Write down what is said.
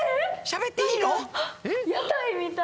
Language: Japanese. しゃべっていいの？